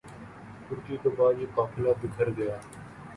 ترکی کے بعد یہ قافلہ بکھر گیا